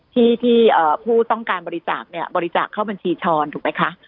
ที่ที่ผู้ต้องการบริจาคเนี่ยบริจาคเข้าบัญชีช้อนถูกไหมคะ